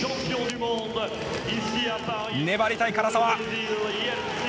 粘りたい唐澤。